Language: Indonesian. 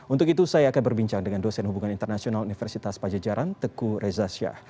untuk itu saya akan berbincang dengan dosen hubungan internasional universitas pajajaran teku reza syah